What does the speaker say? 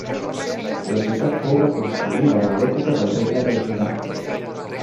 La ciutat fou reconstruïda a l'època del regne de Judà.